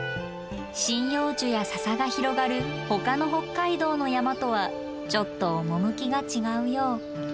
針葉樹や笹が広がるほかの北海道の山とはちょっと趣が違うよう。